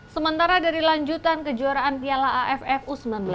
sementara dari lanjutan kejuaraan piala aff u sembilan belas